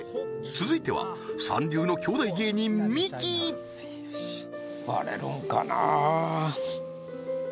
続いては三流の兄弟芸人ミキ割れるんかな？